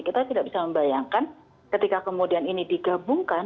kita tidak bisa membayangkan ketika kemudian ini digabungkan